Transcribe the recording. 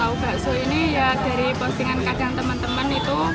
bau bakso ini ya dari postingan kadang teman teman itu